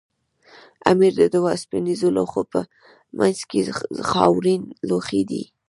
امیر د دوو اوسپنیزو لوښو په منځ کې خاورین لوښی دی.